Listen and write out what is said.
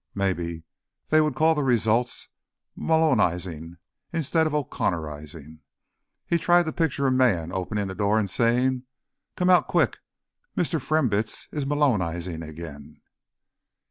Maybe they would call the results Malonizing, instead of O'Connorizing. He tried to picture a man opening a door and saying: "Come out quick, Mr. Frembits is Malonizing again."